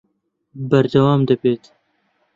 بەردەوام دەبێت